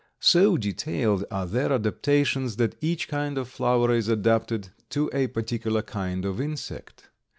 So detailed are their adaptations that each kind of flower is adapted to a particular kind of insect.